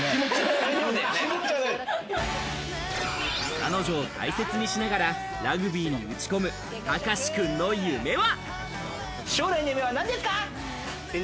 彼女を大切にしながらラグビーに打ち込む隆志君の夢は？